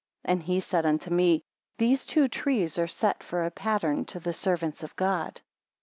And he said unto me; These two trees are set for a pattern to the servants of God.